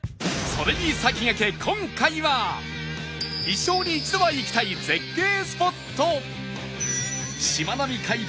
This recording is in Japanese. それに先駆け一生に一度は行きたい絶景スポット